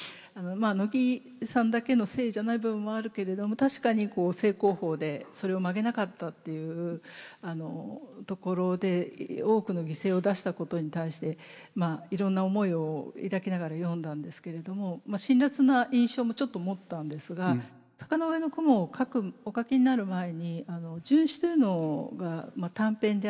乃木さんだけのせいじゃない部分もあるけれども確かにこう正攻法でそれを曲げなかったっていうところで多くの犠牲を出したことに対してまあいろんな思いを抱きながら読んだんですけれども辛辣な印象もちょっと持ったんですが「坂の上の雲」をお書きになる前に「殉死」というのが短編であってですね